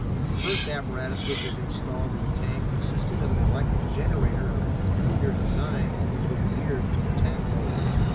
The first apparatus which was installed in the tank consisted of an electric generator of peculiar design which was geared to the tank motor.